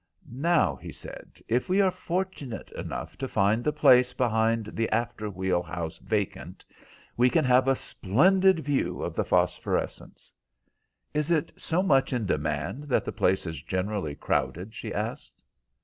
"Now," he said, "if we are fortunate enough to find the place behind the after wheel house vacant we can have a splendid view of the phosphorescence." "Is it so much in demand that the place is generally crowded?" she asked.